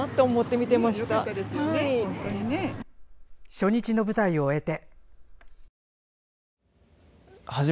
初日の舞台を終えて。